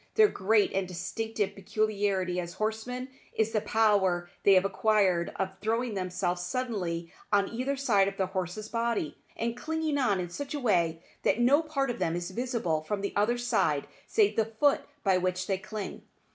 Their great and distinctive peculiarity as horsemen is the power they have acquired of throwing themselves suddenly on either side of their horse's body, and clinging on in such a way that no part of them is visible from the other side save the foot by which they cling.